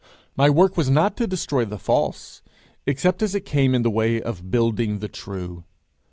My work was not to destroy the false, except as it came in the way of building the true.